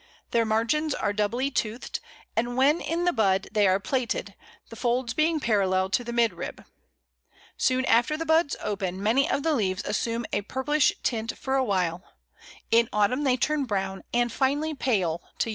Their margins are doubly toothed, and when in the bud they are plaited, the folds being parallel to the midrib. Soon after the buds open, many of the leaves assume a purplish tint for a while; in autumn they turn brown, and finally pale to yellow.